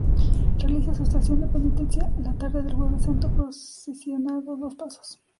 Realiza su estación de penitencia la tarde del Jueves Santo, procesionando dos pasos.